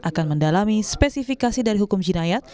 akan mendalami spesifikasi dari hukum jinayat